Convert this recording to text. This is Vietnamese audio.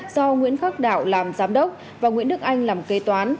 do nguyễn khắc đạo làm giám đốc và nguyễn đức anh làm kế toán